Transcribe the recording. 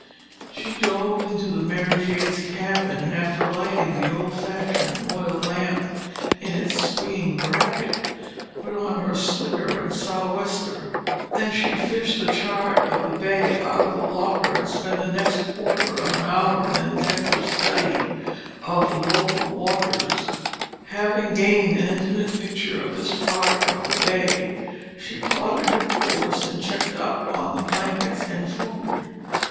She dove into the Mary Jane's cabin and after lighting the old fashioned oil lamp in its swinging bracket, put on her slicker and sou'wester. Then she fished the chart of the bay out of the locker and spent the next quarter of an hour in an intensive study of local waters. Having gained an intimate picture of this part of the bay, she plotted her course, and checked up on the blankets and food.